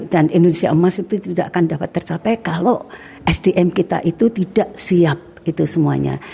dan indonesia emas itu tidak akan dapat tercapai kalau sdm kita itu tidak siap gitu semuanya